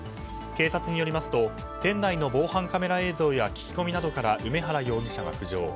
警察によりますと店内の防犯カメラ映像や聞き込みなどから梅原容疑者が浮上。